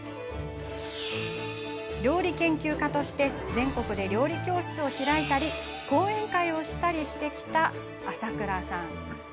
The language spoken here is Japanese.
料理研究家として全国で料理教室を開いたり講演会をしたりしてきた浅倉さん。